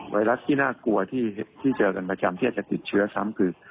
ไรัสที่น่ากลัวที่เจอกันประจำที่อาจจะติดเชื้อซ้ำคือ